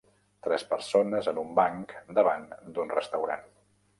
Tres persones en un banc davant d'un restaurant.